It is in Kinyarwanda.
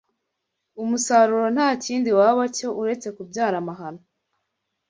umusaruro nta kindi waba cyo uretse kubyara amahano